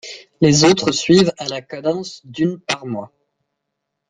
Les autres suivent à la cadence d'une par mois.